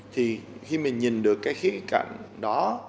thì khi mình nhìn được cái khía cạnh đó